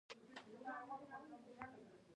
د سالنګ تونل کوم ولایتونه سره نښلوي؟